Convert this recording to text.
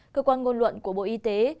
cơ quan ngôn luận của bộ y tế